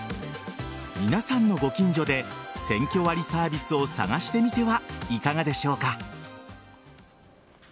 皆さんのご近所で選挙割サービスを探してみてはいかがでしょうか。